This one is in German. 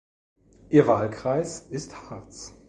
Ihr Wahlkreis ist Harz.